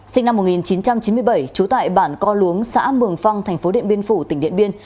sinh năm một nghìn chín trăm chín mươi bảy trú tại bản co luống xã mường phăng thành phố điện biên phủ tỉnh điện biên